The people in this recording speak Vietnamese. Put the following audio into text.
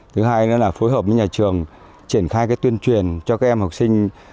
thứ hai nữa là phối hợp với nhà trường triển khai tuyên truyền cho các em học sinh